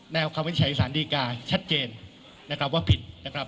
แนวคำวิทยาลัยธรรมศาสตร์สาธารณีกาชัดเจนว่าผิด